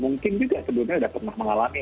mungkin juga sebelumnya sudah pernah mengalami